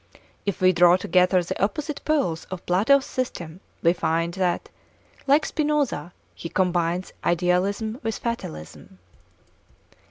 If we draw together the opposite poles of Plato's system, we find that, like Spinoza, he combines idealism with fatalism.